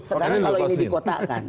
sekarang kalau ini dikotakan